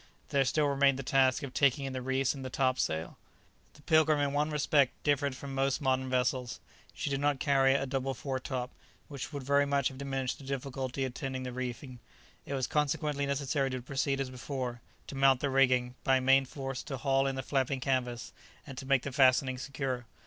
There still remained the task of taking in the reefs in the top sail. The "Pilgrim" in one respect differed from most modern vessels. She did not carry a double foretop, which would very much have diminished the difficulty attending the reefing. It was consequently necessary to proceed as before; to mount the rigging, by main force to haul in the flapping canvas, and to make the fastening secure.